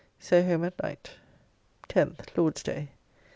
So home at night. 10th (Lord's day).